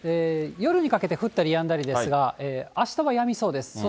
夜にかけて、降ったりやんだりですが、あしたはやみそうです。